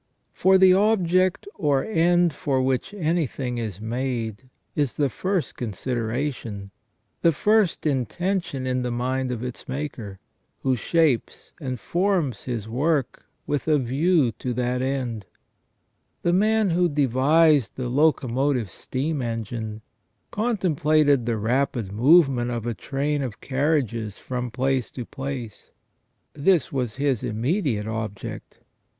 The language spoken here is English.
For the object or end for which any thing is made is the first consideration, the first intention in the mind of its maker, who shapes and forms his work with a view to WHY MAN IS MADE TO THE IMAGE OF GOD. 29 that end. The man who devised the locomotive steam engine contemplated the rapid movement of a train of carriages from place to place. This was his immediate object.